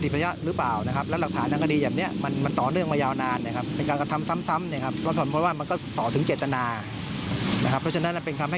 เพราะว่าในเบื้องต้นนายเอ็มไม่รับสาภาพนะ